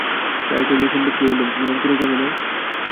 চায়ের টেবিলে সন্দীপকে বললুম, তুমি রংপুরে যাবে না?